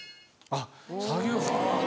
あっ作業服。